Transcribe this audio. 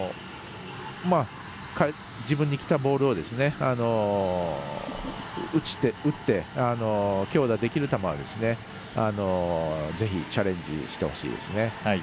自分にきたボールを打って強打できる球をぜひチャレンジしてほしいですね。